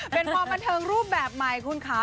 เป็นความบันเทิงรูปแบบใหม่คุณค่ะ